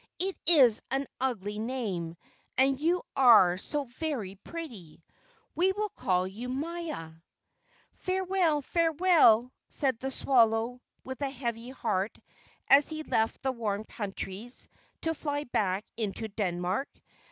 "It is an ugly name, and you are so very pretty. We will call you Maia." "Farewell! Farewell!" said the swallow, with a heavy heart as he left the warm countries, to fly back into Denmark.